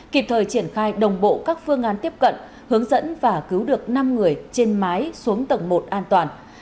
kịp thời triển khai đồng bộ các phương án tiếp cận hướng dẫn và cứu được năm người trên mái xuống tầng một an toàn